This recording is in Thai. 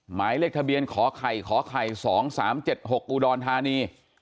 หมายเลขทะเบียนขอให้๒๓๗๖อุดรธานี